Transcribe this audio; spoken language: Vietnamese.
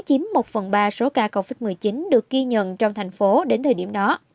chiếm một phần ba số ca covid một mươi chín được ghi nhận trong thành phố đến thời điểm đó